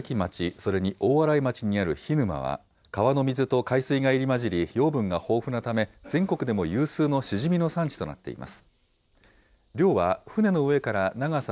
鉾田市と茨城町、それに大洗町にある涸沼は、川の水と海水が入りまじり、養分が豊富なため、全国でも有数のシジミの産地となっています。